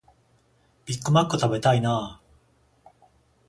ビッグマック食べたいなあ